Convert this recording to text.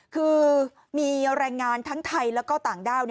คือมีแรงงานทั้งไทยแล้วก็ต่างด้าว